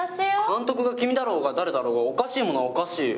監督が君だろうが誰だろうがおかしいものはおかしいよ。